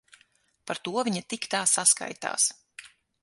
Par to viņa tik tā saskaitās.